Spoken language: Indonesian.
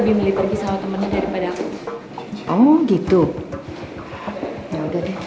bahasanya juga indah dan mengalir